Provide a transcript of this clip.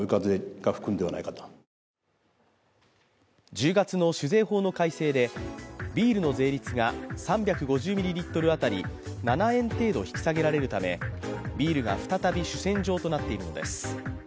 １０月の酒税法の改正でビールの税率が３５０ミリリットル当たり７円程度引き下げられるためビールが再び主戦場となっているのです。